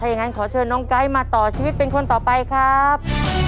อย่างนั้นขอเชิญน้องไก๊มาต่อชีวิตเป็นคนต่อไปครับ